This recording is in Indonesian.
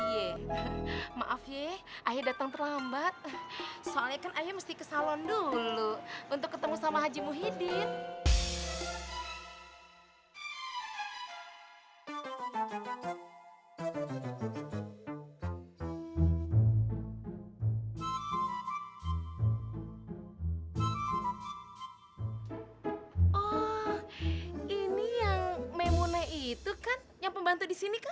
yeeh yang ayah maksud itu bukan haji muhyiddin di situ